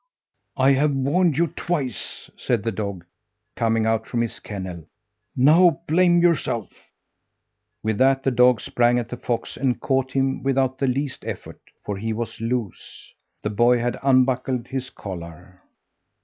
"I have warned you twice," said the dog, coming out from his kennel. "Now blame yourself!" With that the dog sprang at the fox and caught him without the least effort, for he was loose. The boy had unbuckled his collar.